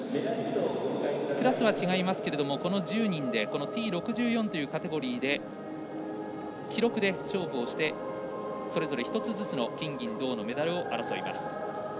クラスは違いますがこの１０人でＴ６４というカテゴリーで、記録で勝負してそれぞれ１つずつの金、銀、銅のメダルを争います。